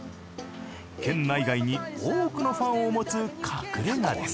県内外に多くのファンを持つ隠れ家です。